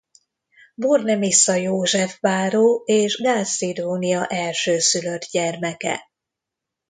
Bornemisza József báró és Gaál Szidónia elsőszülött gyermeke.